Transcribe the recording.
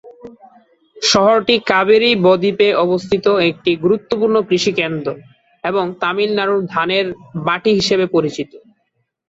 শহরটি কাবেরী বদ্বীপে অবস্থিত একটি গুরুত্বপূর্ণ কৃষি কেন্দ্র এবং তামিলনাড়ুর ধানের বাটি হিসাবে পরিচিত।